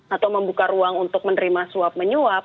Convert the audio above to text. atau membuka ruang untuk menerima suap menyuap